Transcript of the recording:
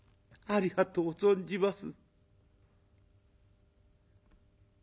ありがとう存じます。